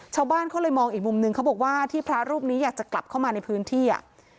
ชาวบ้านเขาเลยมองอีกมุมนึงเขาบอกว่าที่พระรูปนี้อยากจะกลับเข้ามาในพื้นที่อ่ะ